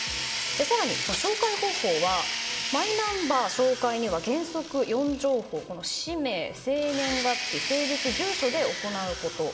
更に、照会方法はマイナンバー照会には原則４情報、氏名、生年月日性別、住所で行うこと。